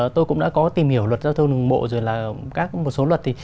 tôi cũng đã có tìm hiểu luật giao thông đường bộ rồi là một số luật